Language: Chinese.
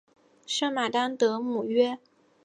圣马丹德姆约。